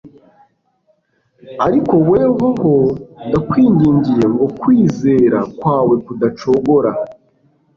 Ariko wehoho, ndakwingingiye ngo kwizera kwawe kudacogora.